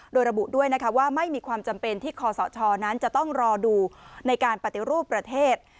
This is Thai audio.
โดยระบุด้วยนะคะว่าไม่มีความจำเป็นที่คอสชนั้นจะต้องรอดูในการปฏิรูปประเทศ